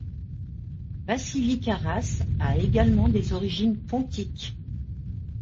Vasilis Karras a également des origines pontiques.